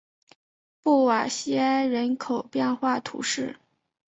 布瓦西埃人口变化图示